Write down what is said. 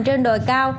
trên đồi cao